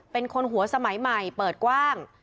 เป็นคนหัวสมัยใหม่เปิดกว้าง